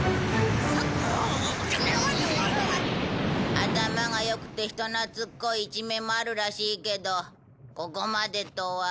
頭が良くて人懐っこい一面もあるらしいけどここまでとは。